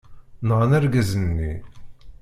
Nɣan argaz-nni.